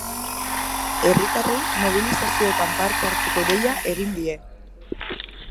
Herritarrei mobilizazioetan parte hartzeko deia egin die.